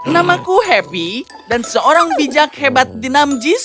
namaku happy dan seorang bijak hebat dinamjiz